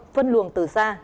phân luồng từ xa